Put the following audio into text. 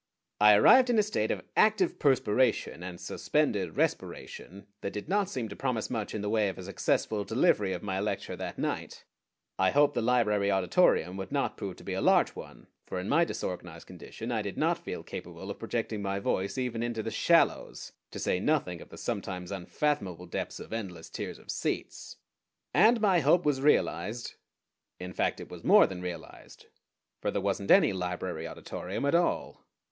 I arrived in a state of active perspiration and suspended respiration that did not seem to promise much in the way of a successful delivery of my lecture that night. I hoped the Library Auditorium would not prove to be a large one; for in my disorganized condition I did not feel capable of projecting my voice even into the shallows, to say nothing of the sometimes unfathomable depths of endless tiers of seats. And my hope was realized; in fact it was more than realized, for there wasn't any Library Auditorium at all.